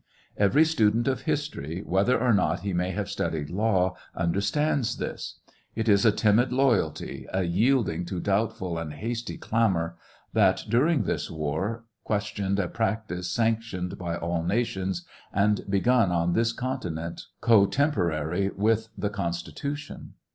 Every student of history, whether or not he may have studied law, under stands this. It is a timid loyalty, a yielding to doubtful and hasty clamor, that, during this war, questioned a practice sanctioned by all nations and begun on this continent cotemporary with the Constitution.